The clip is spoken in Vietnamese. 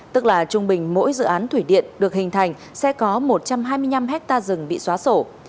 tức là trung bình mỗi dự án thủy điện được hình thành sẽ có một trăm hai mươi năm hectare rừng bị xóa sổ